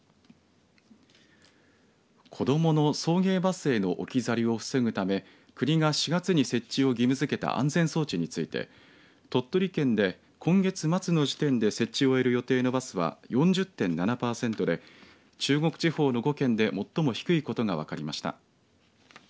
子どもの送迎バスへの置き去りを防ぐため国が４月に設置を義務づけた安全装置について鳥取県で今月末の時点で設置を終える予定のバスは４０．７パーセントで中国地方の５県で最も低いことが分かりました。